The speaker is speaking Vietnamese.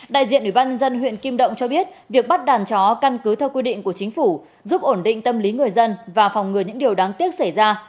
đại diện ủy ban dân huyện kim động cho biết việc bắt đàn chó căn cứ theo quy định của chính phủ giúp ổn định tâm lý người dân và phòng ngừa những điều đáng tiếc xảy ra